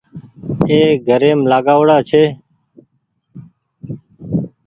اي گھريم لآگآئو ڙآ ڇي